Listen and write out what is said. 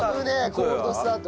コールドスタート。